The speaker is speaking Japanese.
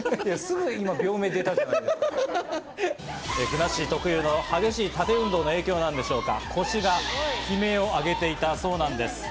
ふなっしー特有の激しい縦運動の影響なんでしょうか、腰が悲鳴を上げていたそうなんです。